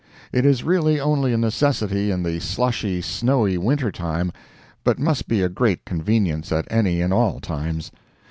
It is really only a necessity in the slushy, snowy winter time, but must be a great convenience at any and all times.